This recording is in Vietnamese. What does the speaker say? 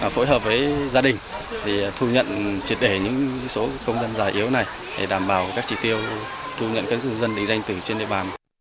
phối hợp với gia đình để thu nhận triệt để những số công dân già yếu này để đảm bảo các chi tiêu thu nhận các công dân định danh từ trên địa bàn